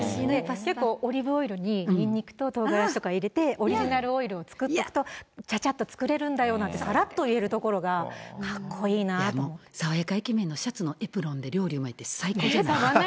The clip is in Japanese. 結構、オリーブオイルにニンニクとトウガラシとか入れて、オリジナルオイルを作っておくと、ちゃちゃっと作れるんだよなんて、さらっと爽やかイケメンのシャツにエプロンで料理うまいって最高じゃないですか。